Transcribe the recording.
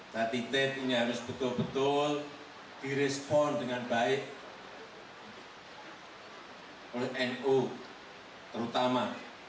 saya titip ini harus betul betul direspon dengan baik oleh nu terutama